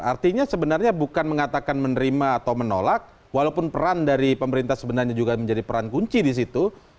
artinya sebenarnya bukan mengatakan menerima atau menolak walaupun peran dari pemerintah sebenarnya juga menjadi peran kunci di situ